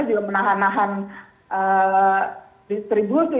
dia menahan nahan distribusi